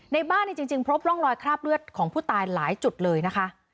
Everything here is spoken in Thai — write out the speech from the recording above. ในบ้านจริงพบร่องรอยคราบเลือดของผู้ตายหลายจุดเลยนะคะ